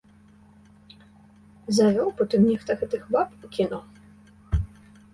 Завёў потым нехта гэтых баб у кіно.